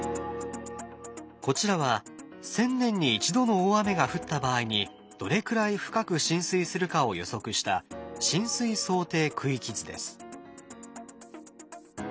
こちらは１，０００年に１度の大雨が降った場合にどれくらい深く浸水するかを予測した浸水想定区域図です。